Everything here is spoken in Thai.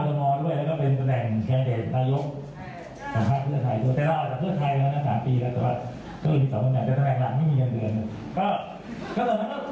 ไทยแล้วนะสามปีแล้วแสดงตัวซึ่งแต่ตรงแหล่งแหละไม่มีกันแล้วก็